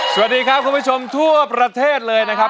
สวัสดีครับคุณผู้ชมทั่วประเทศเลยนะครับ